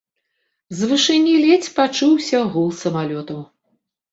З вышыні ледзь пачуўся гул самалётаў.